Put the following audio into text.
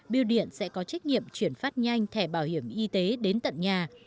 biêu điện sẽ có trách nhiệm chuyển phát nhanh thẻ bảo hiểm y tế đến tận nhà